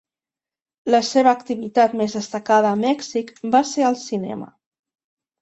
La seva activitat més destacada a Mèxic va ser el cinema.